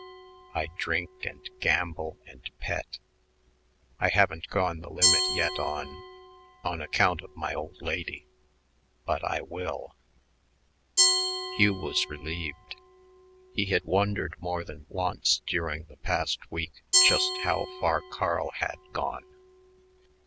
I drink and gamble and pet. I haven't gone the limit yet on on account of my old lady but I will." Hugh was relieved. He had wondered more than once during the past week "just how far Carl had gone."